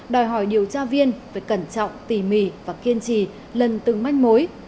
đòi hỏi điều tra viên phải cẩn trọng tỉ mỉ và kiên trì lần từng manh mối